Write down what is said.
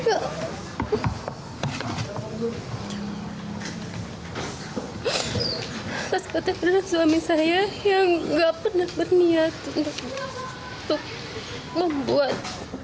atas kata kata suami saya yang tidak pernah berniat untuk membuat